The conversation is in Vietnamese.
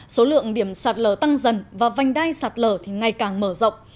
số lượng điểm sạt lở tăng dần và vanh đai sạt lở thì ngày càng mở rộng